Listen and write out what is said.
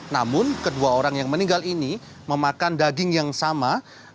namun kedua orang yang meninggal ini memakan daging yang sama